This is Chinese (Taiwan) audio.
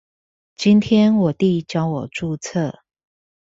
今天我弟教我註冊